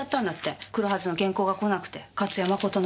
来るはずの原稿が来なくて勝谷誠の。